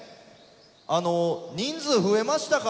あの人数増えましたか？